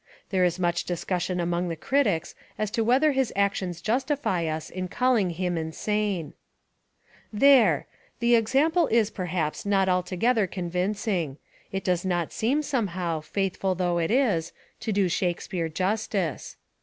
There is much discussion among the critics as to whether his actions justify us in calling him insane." There! The example is, perhaps, not alto gether convincing. It does not seem somehow, faithful though it is, to do Shakespeare justice.